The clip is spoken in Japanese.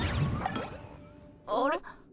あれ？